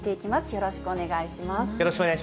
よろしくお願いします。